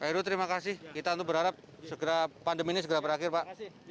heru terima kasih kita untuk berharap pandemi ini segera berakhir pak